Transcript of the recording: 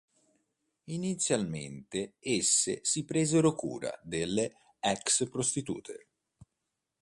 Inizialmente esse si presero cura delle ex-prostitute.